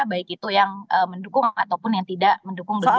baik itu yang mendukung ataupun yang tidak mendukung begitu